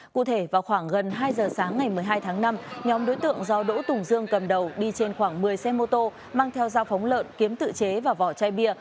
cụ thể vào khoảng gần hai giờ sáng ngày một mươi hai tháng năm nhóm đối tượng do đỗ tùng dương cầm đầu đi trên khoảng một mươi xe mô tô mang theo dao phóng lợn kiếm tự chế và vỏ chai bia